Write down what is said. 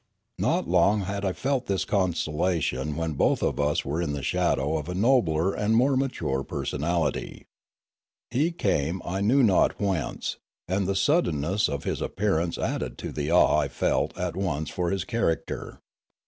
Not long had I felt this consolation when both of us were in the shadow of a nobler and more mature per sonality. He came I knew not whence, and the sud denness of his appearance added to the awe I felt at once for his character.